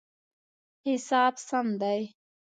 حساب سم دی